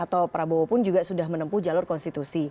atau prabowo pun juga sudah menempuh jalur konstitusi